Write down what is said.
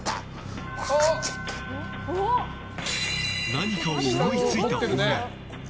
何かを思いついた本間。